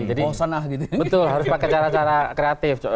jadi harus pakai cara cara kreatif